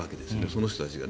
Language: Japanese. その人たちが。